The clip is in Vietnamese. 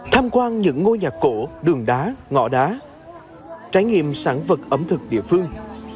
tham quan những ngôi nhà cổ đường đá ngõ đá trải nghiệm sản vật ẩm thực địa phương